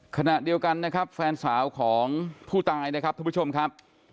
ขณะเดียวกันนะครับแฟนสาวของผู้ตายนะครับท่านผู้ชมครับ